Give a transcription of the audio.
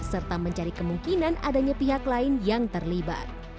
serta mencari kemungkinan adanya pihak lain yang terlibat